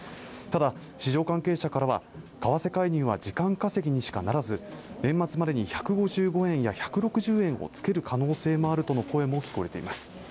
ただ市場関係者からは為替介入は時間稼ぎにしかならず年末までに１５５円や１６０円を付ける可能性もあるとの声も聞こえています